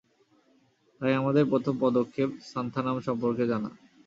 তাই আমাদের প্রথম পদক্ষেপ সান্থানাম সম্পর্কে জানা।